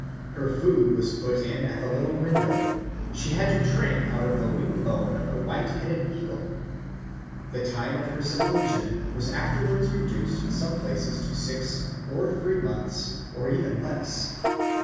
Her food was put in at the little window; she had to drink out of the wing bone of a white headed eagle. The time of her seclusion was afterwards reduced in some places to six or three months or even less.